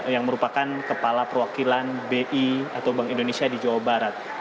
yang merupakan kepala perwakilan bi atau bank indonesia di jawa barat